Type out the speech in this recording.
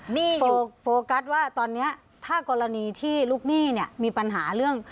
หนี้อยู่โฟกัสว่าตอนนี้ถ้ากรณีที่ลูกหนี้เนี่ยมีปัญหาเรื่อง